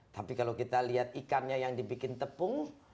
tapi kalau kita lihat ikannya yang dibikin tepung